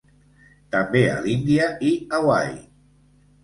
També a l'Índia i Hawaii.